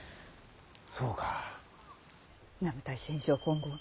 そうか。